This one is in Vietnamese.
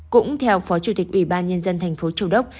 cũng theo phó chủ tịch ủy ban nhân dân thành phố châu đốc